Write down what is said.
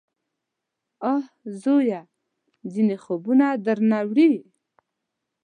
_اه ! زويه! ځينې خوبونه درانه وي.